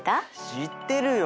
知ってるよ。